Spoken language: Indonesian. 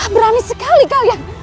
berani sekali kalian